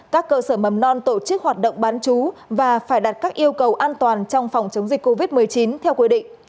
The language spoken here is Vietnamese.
các cơ sở mầm non tổ chức hoạt động bán chú và phải đặt các yêu cầu an toàn trong phòng chống dịch covid một mươi chín theo quy định